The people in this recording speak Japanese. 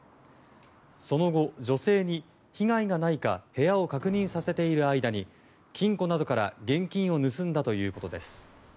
その後、女性に被害がないか部屋を確認させている間に金庫などから現金を盗んだということです。